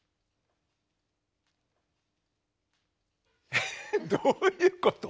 えっどういうこと？